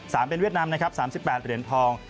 สามเป็นเวียดนามนะครับ๓๘เหรียญทอง